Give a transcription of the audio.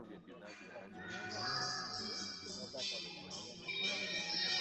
katika hizi nchi kwa sababu zinatumia